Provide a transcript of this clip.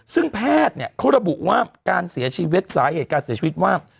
ซึ่งแพทย์เนี่ยเขาระบุว่าการเสียชีวิตสาเหตุการเสียชีวิตว่า